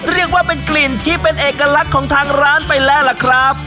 เรียกว่าเป็นกลิ่นที่เป็นเอกลักษณ์ของทางร้านไปแล้วล่ะครับ